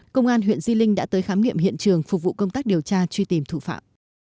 công an huyện di linh đã tới khám nghiệm hiện trường phục vụ công tác điều tra truy tìm thủ phạm